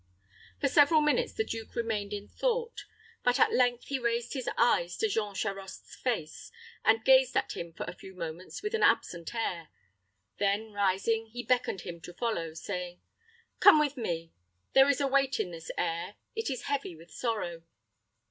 For several minutes the duke remained in thought; but at length he raised his eyes to Jean Charost's face, and gazed at him for a few moments with an absent air. Then rising, he beckoned him to follow, saying, "Come with me. There is a weight in this air; it is heavy with sorrow."